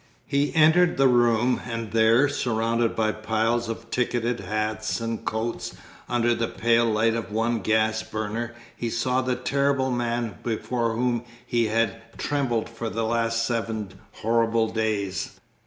He entered the room, and there, surrounded by piles of ticketed hats and coats, under the pale light of one gas burner, he saw the terrible man before whom he had trembled for the last seven horrible days.